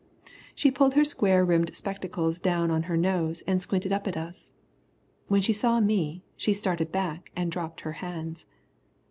She pulled her square rimmed spectacles down on her nose and squinted up at us. When she saw me, she started back and dropped her hands.